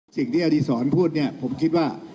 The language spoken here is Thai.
ที่อดีศรพูดเนี่ยผมคิดว่า